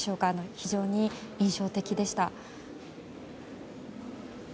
非常に印象的でした。